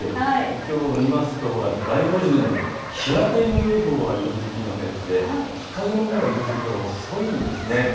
きょう見ますと街路樹でも日当たりのよいほうは色づきが早くて日陰のほうは色づきが遅いんですね。